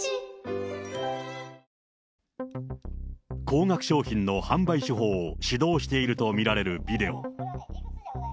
高額商品の販売手法を指導していると見られるビデオ。